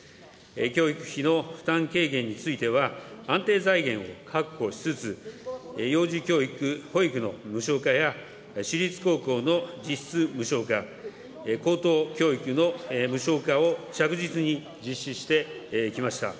教育費の負担軽減については、安定財源を確保しつつ、幼児教育・保育の無償化や、私立高校の実質無償化、高等教育の無償化を着実に実施してきました。